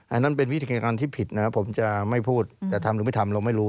อันนั้นเป็นวิธีการที่ผิดนะครับผมจะไม่พูดแต่ทำหรือไม่ทำเราไม่รู้